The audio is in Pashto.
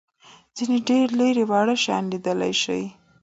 ځینې ډېر لېري واړه شیان لیدلای شي.